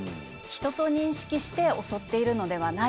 人と認識して襲っているのではないんですね。